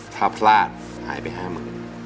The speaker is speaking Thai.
ถ้าพลาดหายไปห้ามึง